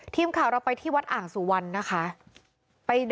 ทีมข่าวเราไปที่วัดอ่างสุวรรณนะคะ